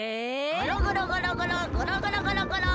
ゴロゴロゴロゴロゴロゴロゴロゴロ！